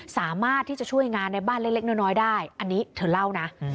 สามารถที่จะช่วยงานในบ้านเล็กน้อยได้อันนี้เธอเล่านะ